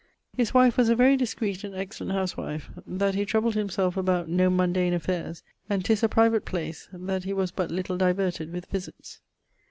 His wife was a very discreet and excellent huswife, that he troubled himselfe about no mundane affaires, and 'tis a private place, that he was but little diverted with visitts.